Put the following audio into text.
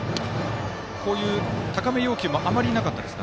こういう高め要求もあまりなかったですか。